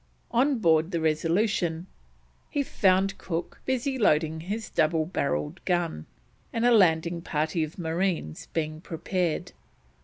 On board the Resolution he found Cook busy loading his double barreled gun and a landing party of marines being prepared.